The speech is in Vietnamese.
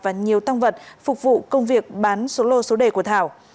và nhiều tăng vật phục vụ công việc bán số lô số đề của thảo